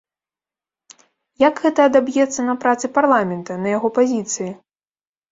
Як гэта адаб'ецца на працы парламента, на яго пазіцыі?